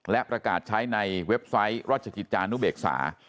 และประกาศใช้ในเว็บไซต์ราชกิจจานุเบกษา